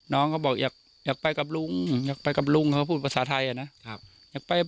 น้องเขาบอกอยากไปกับลุงอยากไปกับลุงเขาก็พูดภาษาไทยอ่ะนะ